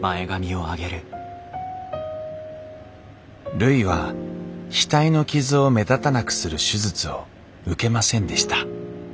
るいは額の傷を目立たなくする手術を受けませんでした。